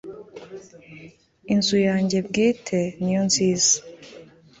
inzu yange bwite niyo nziza